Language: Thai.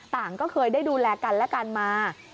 ก็เคยได้ดูแลกันและกันมา